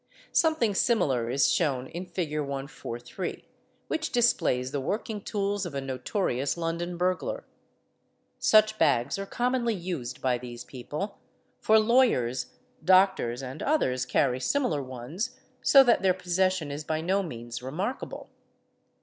Something similar is shewn in Fig. 143, which displays the working tools of a notorious London burglar. Such bags are commonly used by these people, for lawyers, doctors, and others, carry similar ones, so that OLA CSE EL ANA TELS EAT Be ee their possession is by no means remarkable.